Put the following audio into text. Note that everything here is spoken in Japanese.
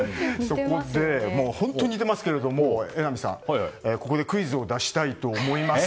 本当に似てますが、榎並さんここでクイズを出したいと思います。